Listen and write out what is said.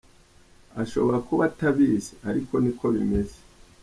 Ashobora kuba atabizi, ariko niko bimeze!” .